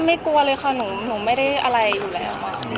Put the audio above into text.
กลัวเลยค่ะหนูไม่ได้อะไรอยู่แล้ว